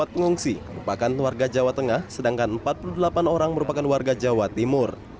empat pengungsi merupakan warga jawa tengah sedangkan empat puluh delapan orang merupakan warga jawa timur